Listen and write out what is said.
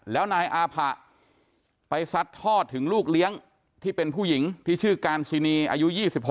แล้วนายอาผะไปซัดทอดถึงลูกเลี้ยงที่เป็นผู้หญิงที่ชื่อการซินีอายุ๒๖